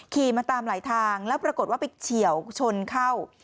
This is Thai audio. ขี่มาตามหลายทางแล้วปรากฏว่าไปเฉียวชนเข้า